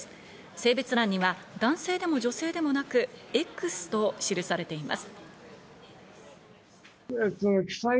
性別欄には、男性でも女性でもなくＸと記されています。